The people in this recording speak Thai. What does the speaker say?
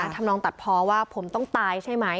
ทำนองตัดพอว่าผมต้องตายใช่ไหม